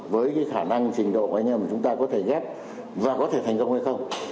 với cái khả năng trình độ của anh em mà chúng ta có thể ghép và có thể thành công hay không